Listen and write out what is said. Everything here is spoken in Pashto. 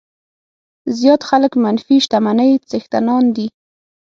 زیات خلک منفي شتمنۍ څښتنان دي.